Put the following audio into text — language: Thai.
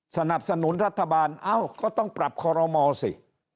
สนับสนุนรัฐบาลเอ้าก็ต้องปรับคอรมอสิ